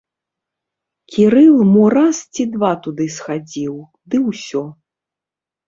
Кірыл мо раз ці два туды схадзіў, ды ўсё.